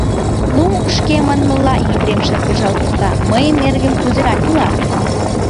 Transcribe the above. — Ну, шке манмыла, — Епрем шыргыжал колта, — мыйын эргым кузерак ила?